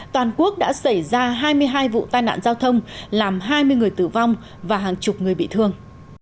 toàn quốc đã xảy ra hai mươi hai vụ tai nạn giao thông làm hai mươi người tử vong và hàng chục người bị thương